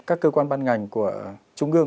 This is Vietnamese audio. các cơ quan ban ngành của trung ương